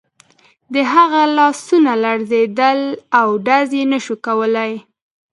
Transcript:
د هغه لاسونه لړزېدل او ډز یې نه شو کولای